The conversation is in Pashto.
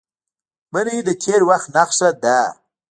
منی د تېر وخت نښه ده